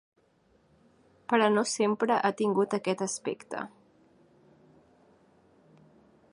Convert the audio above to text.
Però no sempre ha tingut aquest aspecte.